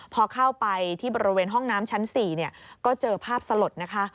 พอเข้าไปที่บริเวณห้องน้ำชั้น๔ก็เจอภาพสลดนะคะ